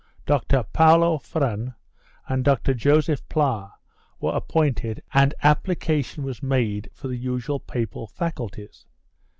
Doctor Paulo Ferran and Doctor Joseph Pla were appointed and application was made for the usual papal faculties.